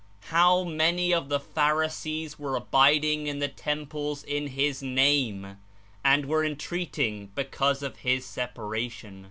How many of the Pharisees were abiding in the Temples in His Name, and were en treating because of His separation!